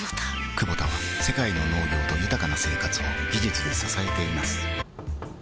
クボタは世界の農業と豊かな生活を技術で支えています起きて。